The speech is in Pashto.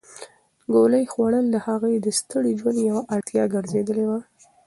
ګولۍ خوړل د هغې د ستړي ژوند یوه اړتیا ګرځېدلې وه.